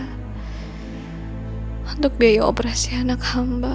hai untuk biaya operasi anak hamba